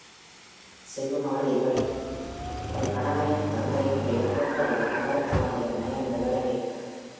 செல்வமகள் அவள் இவள் கனவனின் தந்தையின் பெயர் கேட்ட அளவில் நகரத்து வணிகர் நயந்து வர வேற்பர்.